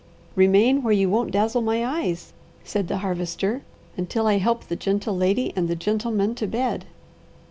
"Remain where you won't dazzle my eyes," said the Harvester, "until I help the gentle lady and the gentle man to bed."